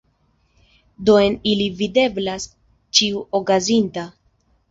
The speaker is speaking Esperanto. Do en ili videblas ĉio okazinta!